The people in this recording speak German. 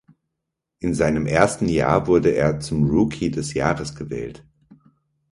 In seinem ersten Jahr wurde er zum Rookie des Jahres gewählt.